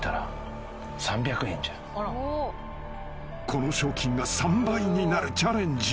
［この賞金が３倍になるチャレンジ］